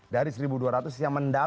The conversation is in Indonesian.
dari seribu dua ratus siang menuju